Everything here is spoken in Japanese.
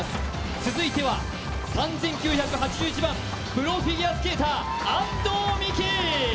続いては３９８１番、プロフィギュアスケーター、安藤美姫。